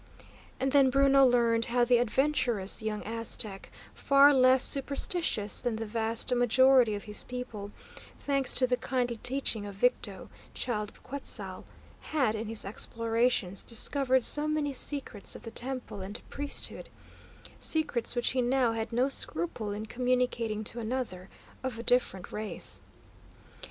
And then Bruno learned how the adventurous young Aztec, far less superstitious than the vast majority of his people, thanks to the kindly teaching of Victo, Child of Quetzal', had in his explorations discovered so many secrets of the temple and priesthood, secrets which he now had no scruple in communicating to another of a different race.